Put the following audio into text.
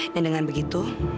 dan dengan begitu